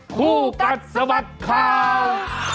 คู่กัดสมัครข่าว